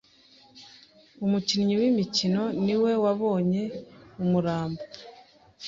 Umukinyi w'imikino ni we wabonye umurambo.